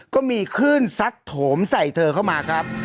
ก็มีคลื่นซัดโถมใส่เธอเข้ามาครับ